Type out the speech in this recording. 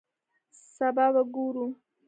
سبا به ګورو